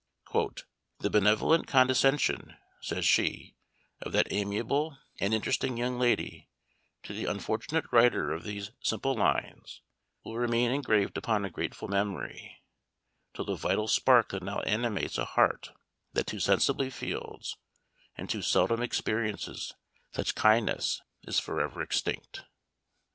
"The benevolent condescension," says she, "of that amiable and interesting young lady, to the unfortunate writer of these simple lines will remain engraved upon a grateful memory, till the vital spark that now animates a heart that too sensibly feels, and too seldom experiences such kindness, is forever extinct."